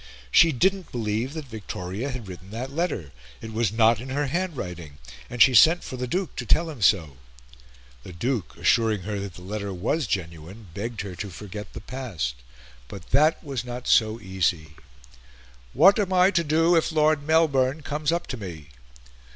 She didn't believe that Victoria had written that letter; it was not in her handwriting; and she sent for the Duke to tell him so. The Duke, assuring her that the letter was genuine, begged her to forget the past. But that was not so easy. "What am I to do if Lord Melbourne comes up to me?"